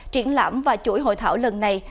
triển lãm và chuỗi hội thảo lần này